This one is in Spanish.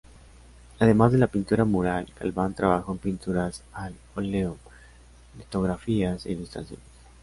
Además de la pintura mural, Galván trabajó en pinturas al óleo, litografías e ilustraciones.